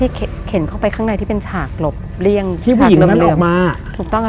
เข็นเข้าไปข้างในที่เป็นฉากหลบเลี่ยงที่ผู้หญิงแบบนั้นออกมาถูกต้องค่ะ